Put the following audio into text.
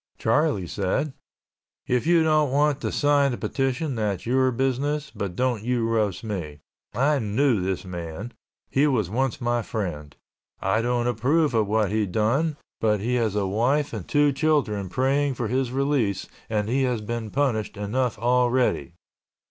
Charlie said, "If you don't want to sign the petition, that's your business, but don't you roast me. I knew this man. He was once my friend. I don't approve of what he done, but he has a wife and two children praying for his release and he has been punished enough already."